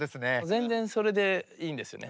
全然それでいいんですよね。